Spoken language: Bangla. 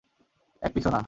এক পিসও না।